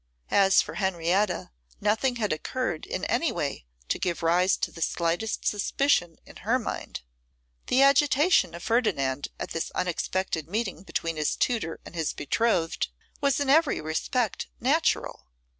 As for Henrietta, nothing had occurred in any way to give rise to the slightest suspicion in her mind. The agitation of Ferdinand at this unexpected meeting between his tutor and his betrothed was in every respect natural.